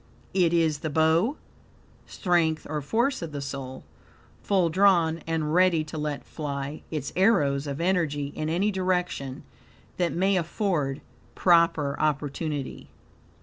"It is the bow (strength or force of the soul), FULL drawn and ready to let fly" its arrows (of energy) in any direction that may afford proper opportunity.